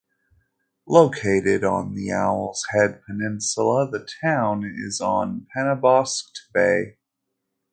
Located on the Owls Head peninsula, the town is on Penobscot Bay.